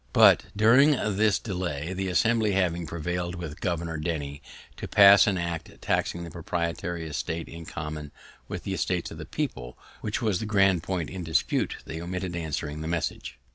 But during this delay, the Assembly having prevailed with Gov'r Denny to pass an act taxing the proprietary estate in common with the estates of the people, which was the grand point in dispute, they omitted answering the message.